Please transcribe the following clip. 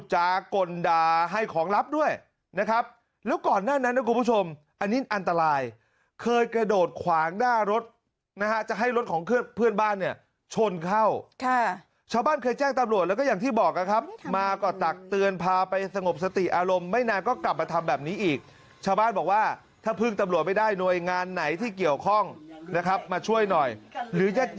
จากกลด่าให้ของลับด้วยนะครับแล้วก่อนหน้านั้นนะคุณผู้ชมอันนี้อันตรายเคยกระโดดขวางหน้ารถนะฮะจะให้รถของเพื่อนบ้านเนี่ยชนเข้าค่ะชาวบ้านเคยแจ้งตำรวจแล้วก็อย่างที่บอกนะครับมาก็ตักเตือนพาไปสงบสติอารมณ์ไม่นานก็กลับมาทำแบบนี้อีกชาวบ้านบอกว่าถ้าพึ่งตำรวจไม่ได้หน่วยงานไหนที่เกี่ยวข้องนะครับมาช่วยหน่อยหรือย